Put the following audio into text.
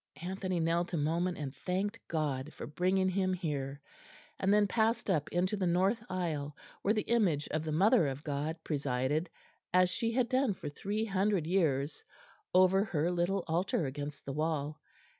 Anthony knelt a moment and thanked God for bringing him here, and then passed up into the north aisle, where the image of the Mother of God presided, as she had done for three hundred years, over her little altar against the wall.